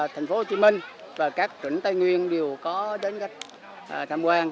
thành phố hồ chí minh và các tỉnh tây nguyên đều có đến khách tham quan